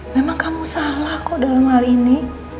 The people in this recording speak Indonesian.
memang kamu salah kok dalam hal ini